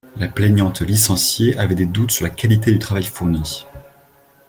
La plaignante licenciée avait des doutes sur la qualité du travail fourni.